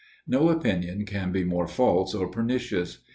No opinion can be more false or pernicious.